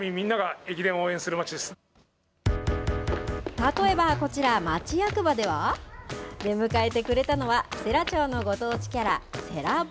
例えばこちら、町役場では、出迎えてくれたのは、世羅町のご当地キャラ、せら坊。